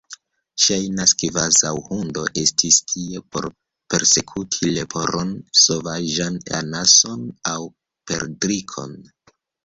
Ŝajnas kvazaŭ hundo estis tie por persekuti leporon, sovaĝan anason aŭ perdrikon.